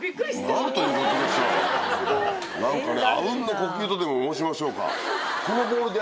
何かね。